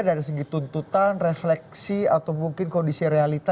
dari segi tuntutan refleksi atau mungkin kondisi realita